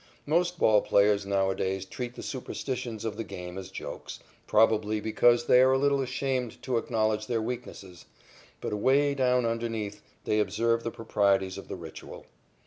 Most ball players nowadays treat the superstitions of the game as jokes, probably because they are a little ashamed to acknowledge their weaknesses, but away down underneath they observe the proprieties of the ritual.